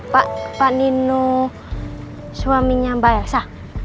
pak nino suaminya mbak elsa